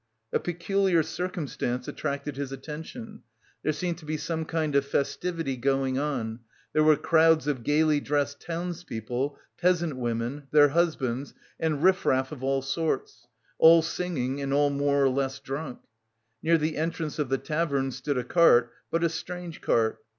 A peculiar circumstance attracted his attention: there seemed to be some kind of festivity going on, there were crowds of gaily dressed townspeople, peasant women, their husbands, and riff raff of all sorts, all singing and all more or less drunk. Near the entrance of the tavern stood a cart, but a strange cart.